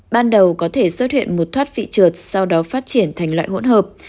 ban đầu có thể xuất hiện một thoát vị trượt sau đó phát triển thành loại hỗn hợp